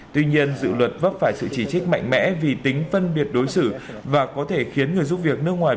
tuy nhiên dự luật vấp phải sự chỉ trích mạnh mẽ vì tính phân biệt đối xử và có thể khiến người giúp việc nước ngoài